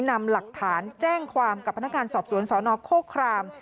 นำหลักฐานแจ้งความกับพนักงานสอบสวนสนโคคราม